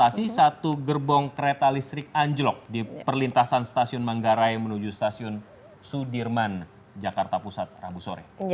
lokasi satu gerbong kereta listrik anjlok di perlintasan stasiun manggarai menuju stasiun sudirman jakarta pusat rabu sore